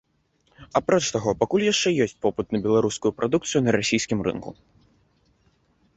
Апроч таго, пакуль яшчэ ёсць попыт на беларускую прадукцыю на расійскім рынку.